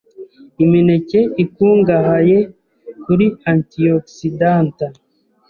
Imineke ikungahaye kuri Antioxidanta